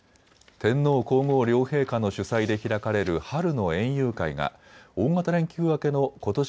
天皇皇后両陛下の主催で開かれる春の園遊会が大型連休明けのことし